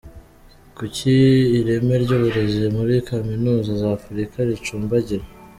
Kuki ireme ry’uburezi muri Kaminuza za Afurika ricumbagira?.